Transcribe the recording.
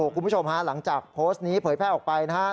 คุณผู้ชมฮะหลังจากโพสต์นี้เผยแพร่ออกไปนะครับ